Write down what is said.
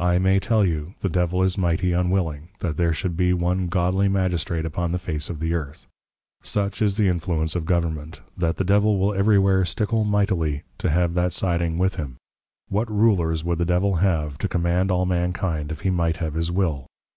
I may tell you, The Devil is mighty unwilling, that there should be one Godly Magistrate upon the face of the Earth. Such is the influence of Government, that the Devil will every where stickle mightily, to have that siding with him. What Rulers would the Devil have, to command all mankind, if he might have his will?